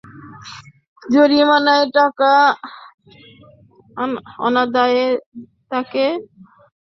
জরিমানার টাকা অনাদায়ে তাঁকে আরও দুই বছর সশ্রম কারাদণ্ড দেন আদালত।